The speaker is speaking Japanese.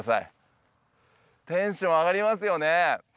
テンション上がりますよね。